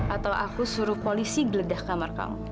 atau aku suruh polisi geledah kamar kamu